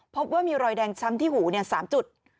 พบว่ามีรอยแดงช้ำที่หู๓จุด